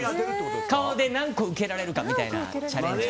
顔で何個受けられるかみたいなチャレンジ。